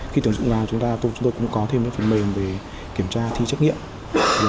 khi tưởng dụng ra chúng tôi cũng có thêm những phần mềm về kiểm tra thi trách nhiệm